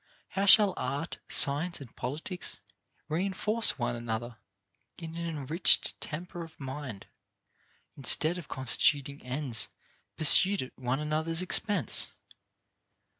How shall art, science, and politics reinforce one another in an enriched temper of mind instead of constituting ends pursued at one another's expense?